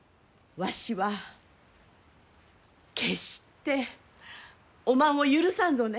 わしは決しておまんを許さんぞね。